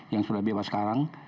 yang sudah bebas sekarang